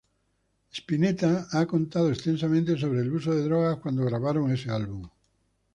Spinetta ha contado extensamente sobre el uso de drogas cuando grabaron ese álbum.